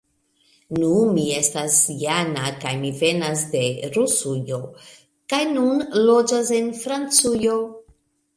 Nu, mi estas Jana kaj mi venas de Rusujo kaj nun loĝas en Francujo